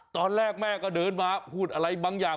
ตอนแรกแม่ก็เดินมาพูดอะไรบางอย่าง